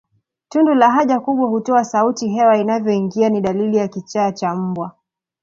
Tundu la haja kubwa hutoa sauti hewa inavyoingia ni dalili ya kichaa cha mbwa